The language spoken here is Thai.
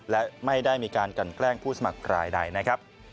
และไม่ได้มีการกันแกล้งผู้สมัครรายใดนะครับ